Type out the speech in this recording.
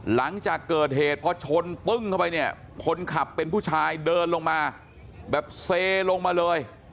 หลังจากเกิดเหตุพอชนปึ้งเข้าไปเนี่ยคนขับเป็นผู้ชายเดินลงมาแบบเซลงมาเลย